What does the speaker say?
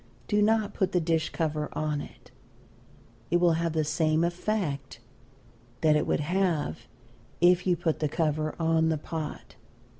Do not put the dish cover on it will have the same effect that it would have if you put the cover on the pot.